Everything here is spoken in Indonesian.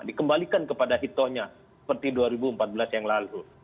dikembalikan kepada hitohnya seperti dua ribu empat belas yang lalu